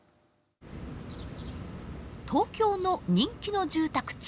東京の人気の住宅地